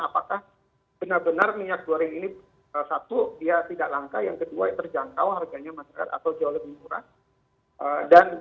apakah benar benar minyak goreng ini satu dia tidak langka yang kedua terjangkau harganya masyarakat atau jauh lebih murah